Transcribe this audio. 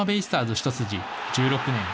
一筋１６年。